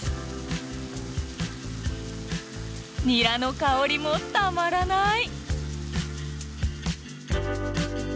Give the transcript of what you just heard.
ニラの香りもたまらない！